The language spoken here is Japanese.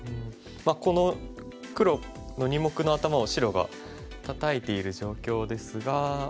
この黒の２目の頭を白がタタいている状況ですが。